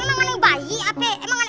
emang aneh bayi apeh